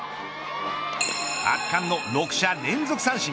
圧巻の６者連続三振。